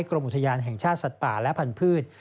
กรมอุทยานแห่งชาติสัตว์ป่าและพันธุ์